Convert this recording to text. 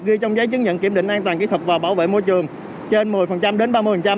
ghi trong giấy chứng nhận kiểm định an toàn kỹ thuật và bảo vệ môi trường trên một mươi đến ba mươi